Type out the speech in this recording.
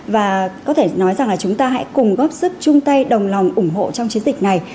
và có thể nói rằng là chúng ta hãy cùng góp sức chung tay đồng lòng ủng hộ trong chiến dịch này